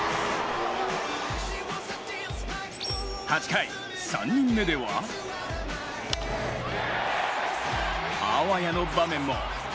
８回、３人目ではあわやの場面も。